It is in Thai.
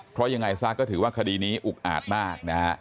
เพราะยังไงซะก็ถือว่าคดีนี้อุกอาจมากนะฮะ